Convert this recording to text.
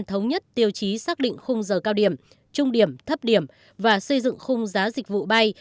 thống nhất tiêu chí xác định khung giờ cao điểm trung điểm thấp điểm và xây dựng khung giá dịch vụ bay